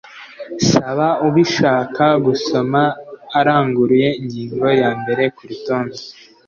Saba ubishaka gusoma aranguruye ingingo ya mbere ku rutonde